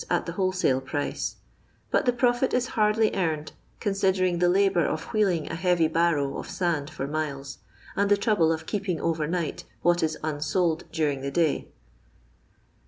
at the wholesale priee; but the profit is hardly earned considering the labour of wheeling a heavy barrow of sand for miles, and the trouble of keeping over night what is unsold during the day.